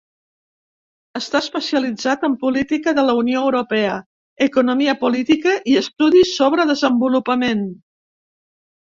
Està especialitzat en política de la Unió Europea, economia política i estudis sobre desenvolupament.